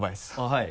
はい。